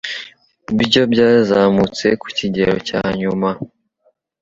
byo byazamutse ku kigero cyanyuma